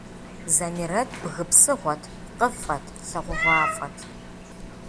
Замирэт бгы псыгъуэт, пкъыфӏэт, лагъугъуафӏэт.